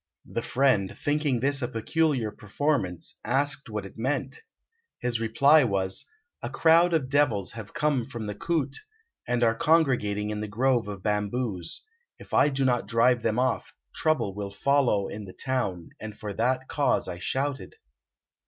The friend, thinking this a peculiar performance, asked what it meant. His reply was, "A crowd of devils have come from the koot, and are congregating in the grove of bamboos; if I do not drive them off trouble will follow in the town, and for that cause I shouted."